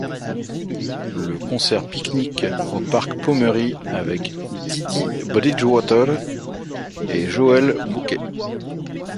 Le concert pique-nique au Parc Pommery avec Dee Dee Bridgewater et Joël Bouquet.